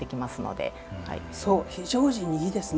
非常時にいいですね。